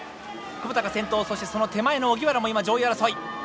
窪田が先頭そしてその手前の荻原も今上位争い。